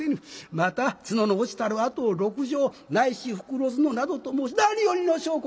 また角の落ちたる痕を『鹿茸』ないし『袋角』などと申し何よりの証拠！